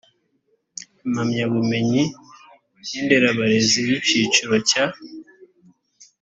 impamyabumenyi y inderabarezi y icyiciro cya